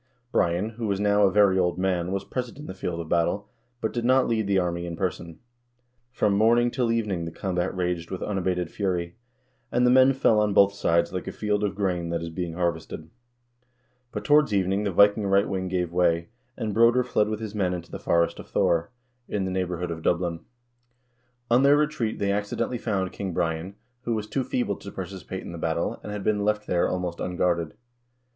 Brian, who was now a very old man, was present on the field of battle, but did not lead the army in person. From morning till evening the combat raged with unabated fury, and the men fell on both sides like a field of grain that is being harvested. But towards evening the Viking right wing gave way, and Broder fled with his men into the forest of Thor, in the neighbor 228 HISTORY OF THE NORWEGIAN PEOPLE hood of Dublin. On their retreat they accidentally found King Brian, who was too feeble to participate in the battle, and had been left there almost unguarded.